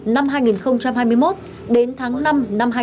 năm hai nghìn hai mươi một đến tháng năm năm hai nghìn hai mươi